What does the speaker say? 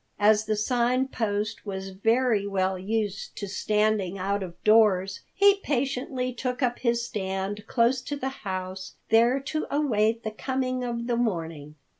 As the Sign Post was very well used to standing out of doors, he patiently took up his stand close to the house, there to await the coming of the morning.